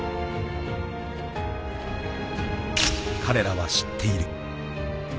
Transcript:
［彼らは知っている］